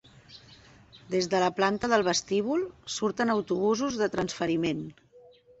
Des de la planta del vestíbul surten autobusos de transferiment.